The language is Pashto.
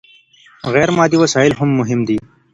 غير مادي وسايل هم مهم دي.